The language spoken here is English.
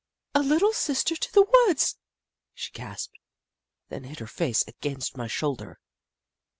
" A Little Sister to the Woods !" she gasped, then hid her face against my shoulder.